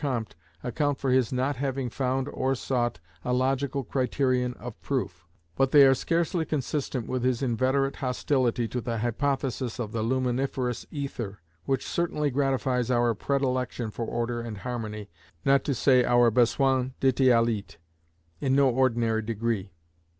Comte account for his not having found or sought a logical criterion of proof; but they are scarcely consistent with his inveterate hostility to the hypothesis of the luminiferous ether, which certainly gratifies our "predilection for order and harmony," not to say our "besoin d'idéalite", in no ordinary degree.